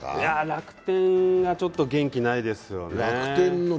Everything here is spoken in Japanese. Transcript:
楽天がちょっと元気ないですよね。